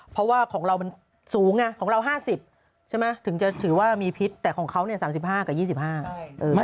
เพราะว่าของเรามันสูงไงของเรา๕๐ใช่ไหมถึงจะถือว่ามีพิษแต่ของเขาเนี่ย๓๕กับ๒๕